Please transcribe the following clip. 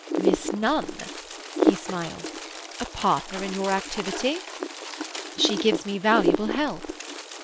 "Miss Nunn?" He smiled. "A partner in your activity?" "She gives me valuable help."